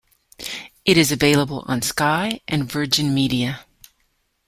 It is available on Sky and Virgin Media.